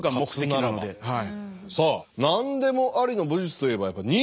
さあ何でもありの武術といえば忍術。